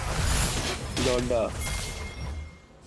لونڈا